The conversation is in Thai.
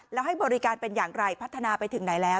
แล้วให้บริการเป็นอย่างไรพัฒนาไปถึงไหนแล้ว